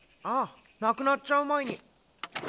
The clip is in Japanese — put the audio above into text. ああなくなっちゃう前に。